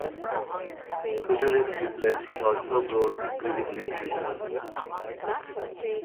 Perpetually sleepless, he also grows increasingly delusional.